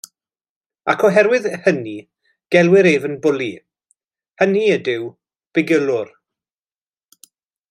Ac oherwydd hynny gelwir ef yn Bully; hynny ydyw, Bygylwr.